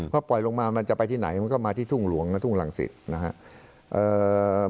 พอปล่อยลงมามันจะไปที่ไหนมันก็มาที่ทุ่งหลวงนะทุ่งรังสิตนะครับ